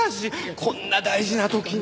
こんな大事な時に。